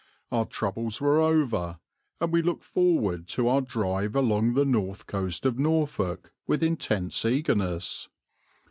Our troubles were over, and we looked forward to our drive along the north coast of Norfolk with intense eagerness.